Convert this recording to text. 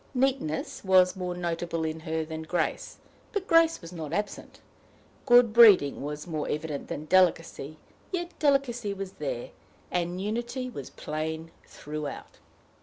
Neatness was more notable in her than grace, but grace was not absent; good breeding was more evident than delicacy, yet delicacy was there; and unity was plain throughout.